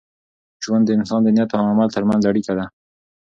ژوند د انسان د نیت او عمل تر منځ اړیکه ده.